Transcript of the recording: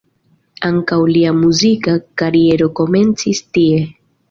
Ankaŭ lia muzika kariero komencis tie.